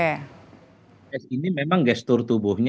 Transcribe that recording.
pks ini memang gestur tubuh